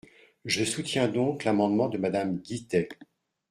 Je soutiens donc l’amendement de Madame Guittet.